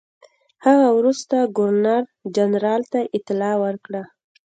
هغه وروسته ګورنرجنرال ته اطلاع ورکړه.